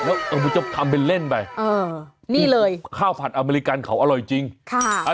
เออมึงจะทำเป็นเล่นไปข้าวผัดอเมริกันเขาอร่อยจริงค่ะ